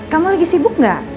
kamu lagi sibuk gak